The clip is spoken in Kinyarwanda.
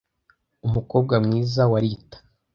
Umukobwa mwiza wa Rita